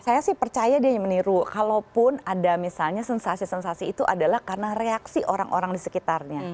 saya sih percaya dia meniru kalaupun ada misalnya sensasi sensasi itu adalah karena reaksi orang orang di sekitarnya